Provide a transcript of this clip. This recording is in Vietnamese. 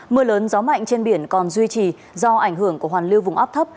mưa lớn gió mạnh trên biển còn duy trì do ảnh hưởng của hoàn lưu vùng áp thấp